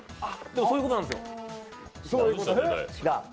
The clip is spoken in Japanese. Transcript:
でも、そういうことなんですよ。